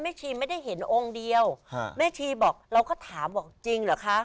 ชีไม่ได้เห็นองค์เดียวแม่ชีบอกเราก็ถามบอกจริงเหรอคะ